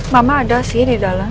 mama ada sih di dalam